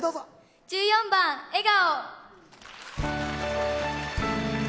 １４番「笑顔」。